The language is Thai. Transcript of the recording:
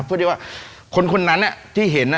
เพื่อที่ว่าคนนั้นที่เห็น